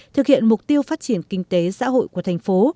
thực hiện mục tiêu phát triển kinh tế xã hội của thành phố